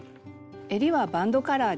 えりはバンドカラーです。